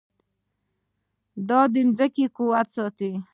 دا د ځمکې قوت ساتي.